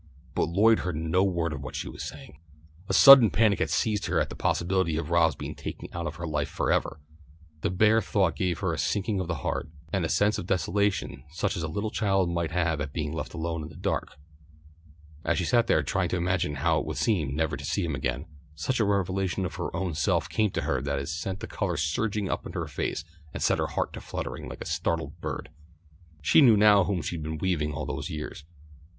But Lloyd heard no word of what she was saying. A sudden panic had seized her at the possibility of Rob's being taken out of her life for ever. The bare thought gave her a sinking of the heart and a sense of desolation such as a little child might have at being left alone in the dark. As she sat there trying to imagine how it would seem never to see him again, such a revelation of her own self came to her that it sent the colour surging up in her face and set her heart to fluttering like a startled bird. She knew now for whom she had been weaving all these years.